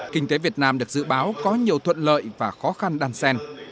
kinh tế việt nam được dự báo có nhiều thuận lợi và khó khăn đàn sen